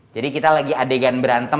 jadi kita lagi adegan berantem